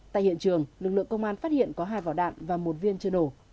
tại hiện trường lực lượng công an phát hiện có hai vỏ đạn và một viên chơ đổ